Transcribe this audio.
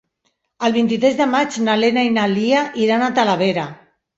El vint-i-tres de maig na Lena i na Lia iran a Talavera.